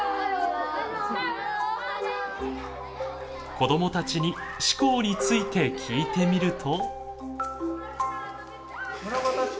子供たちに志功について聞いてみると。